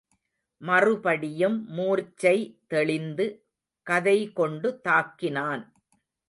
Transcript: மறுபடியும் மூர்ச்சை தெளிந்து கதை கொண்டு தாக்கினான்.